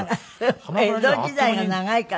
江戸時代が長いからね。